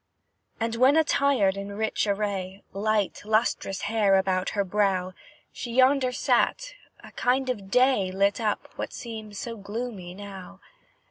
And when attired in rich array, Light, lustrous hair about her brow, She yonder sat, a kind of day Lit up what seems so gloomy now.